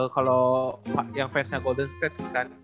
kalau yang fansnya golden state kan